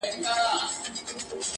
هم په سپیو کي د کلي وو غښتلی -